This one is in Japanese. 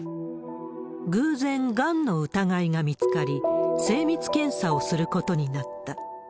偶然、がんの疑いが見つかり、精密検査をすることになった。